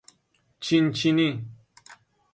چین چینی